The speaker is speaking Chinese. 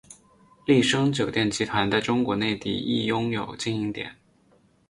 丽笙酒店集团在中国内地亦拥有经营点。